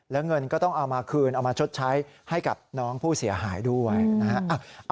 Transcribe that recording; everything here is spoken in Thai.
แล้วเงินก็ต้องเอามาคืนเอามาชดใช้ให้กับน้องผู้เสียหายด้วยนะฮะ